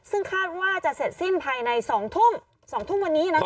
ซึ่งคาดว่าจะเสร็จสิ้นภายใน๒ทุ่ม๒ทุ่มวันนี้